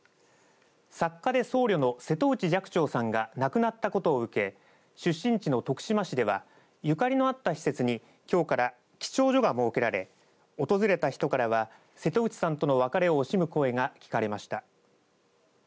作家で僧侶の瀬戸内寂聴さんが亡くなったことを受け出身地の徳島市ではゆかりのあった施設にきょうから記帳所が設けられ訪れた人からは瀬戸内さんとの別れを惜しむ声が聞かれました。